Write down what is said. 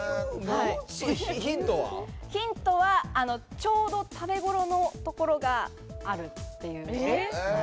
ヒントは、ちょうど食べ頃のところがあるっていう。